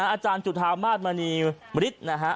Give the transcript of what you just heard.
อาจารย์สถามภาษณมณีมริษนธรรม